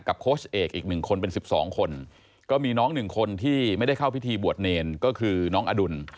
โค้ชเอกอีก๑คนเป็น๑๒คนก็มีน้องหนึ่งคนที่ไม่ได้เข้าพิธีบวชเนรก็คือน้องอดุล